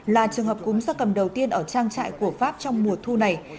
là trường hợp cúng ra cầm đầu tiên ở trang trại của pháp trong mùa thu này